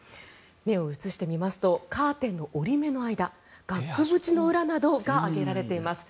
目を移してみますとカーテンの折り目の間額縁の裏などが挙げられています。